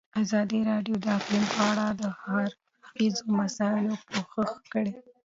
ازادي راډیو د اقلیم په اړه د هر اړخیزو مسایلو پوښښ کړی.